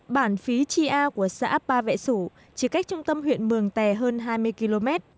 bản phí tri a của xã ba vệ sủ chỉ cách trung tâm huyện mường tè hơn hai mươi km